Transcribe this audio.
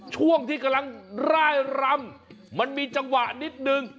ช่วงที่กำลังร่ายรำมันมีจังหวะนิดนึง